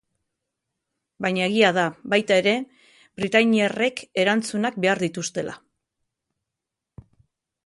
Baina egia da, baita ere, britainiarrek erantzunak behar dituztela.